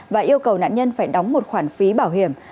và yêu cầu nạn nhân phải đóng một khoản phí bảo hiểm